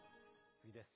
次です。